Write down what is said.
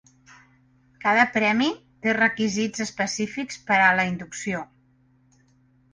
Cada premi té requisits específics per a la inducció.